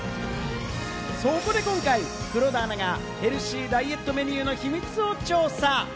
そこで今回、黒田アナがヘルシーダイエットメニューの秘密を調査。